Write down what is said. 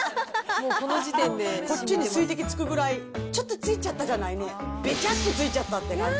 この時点で、こっちに水滴つくぐらい、ちょっとつくじゃない、べちゃってついちゃったって感じ。